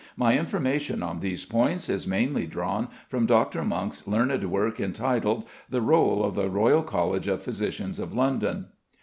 My information on these points is mainly drawn from Dr. Munk's learned work, entitled "The Roll of the Royal College of Physicians of London."